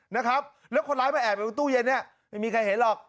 นะครับแล้วคนร้ายมาแอบอยู่บนตู้เย็นเนี่ยไม่มีใครเห็นหรอก